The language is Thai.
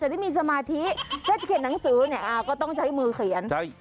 ได้มีสมาธิเช่นเขียนหนังสือเนี่ยก็ต้องใช้มือเขียนใช่